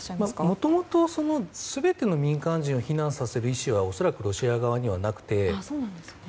もともと全ての民間人を避難させる意思は恐らくロシア側にはなくて。